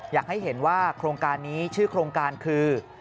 อยากให้เห็นว่าโครงการนี้ชื่อโครงการคือ